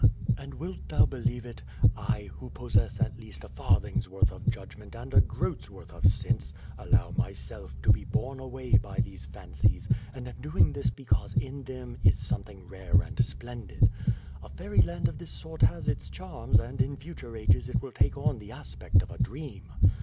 And wilt thou believe it? I, who possess at least a farthing's worth of judgment and a groat's worth of sense, allow myself, to be borne away by these fan cies, and am doing this because in them is something rare and splendid. A fairy land of this sort has its charms and in future ages it will take on the aspect of a dream.